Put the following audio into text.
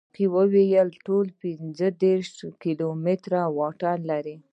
ساقي وویل ټول پنځه دېرش کیلومتره واټن لري.